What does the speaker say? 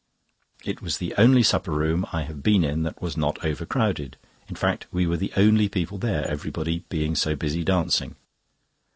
It was the only supper room that I have been in that was not over crowded; in fact we were the only people there, everybody being so busy dancing.